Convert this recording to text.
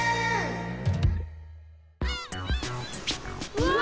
うわ！